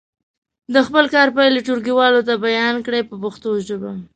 د خپل کار پایلې ټولګیوالو ته بیان کړئ په پښتو ژبه.